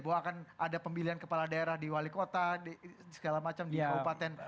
bahwa akan ada pemilihan kepala daerah di wali kota di segala macam di kabupaten